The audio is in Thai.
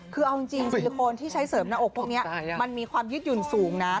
คือเอาจริงซิลิโคนที่ใช้เสริมหน้าอกพวกนี้มันมีความยึดหยุ่นสูงนะ